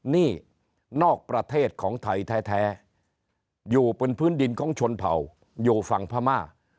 นี่นอกประเทศของไทยแท้อยู่เป็นพื้นดินของชนเผ่าอยู่ฝั่งพม่า